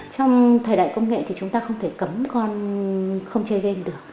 trong thời đại công nghệ thì chúng ta không thể cấm con không chơi gam được